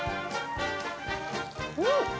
うん！